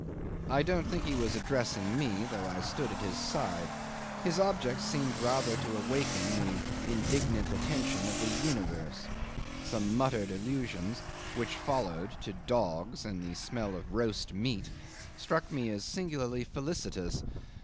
I don't think he was addressing me, though I stood at his side; his object seemed rather to awaken the indignant attention of the universe. Some muttered allusions, which followed, to dogs and the smell of roast meat, struck me as singularly felicitous.